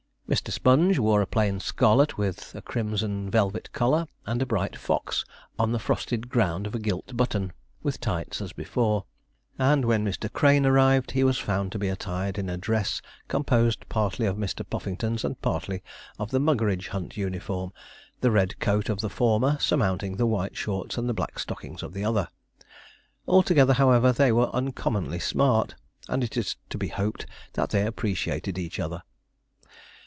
Mr. Sponge wore a plain scarlet with a crimson velvet collar, and a bright fox on the frosted ground of a gilt button, with tights as before; and when Mr. Crane arrived he was found to be attired in a dress composed partly of Mr. Puffington's and partly of the Muggeridge Hunt uniform the red coat of the former surmounting the white shorts and black stockings of the other. Altogether, however, they were uncommonly smart, and it is to be hoped that they appreciated each other.